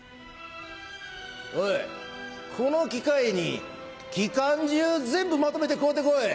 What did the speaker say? おいこの機会に機関銃全部まとめて買うて来い！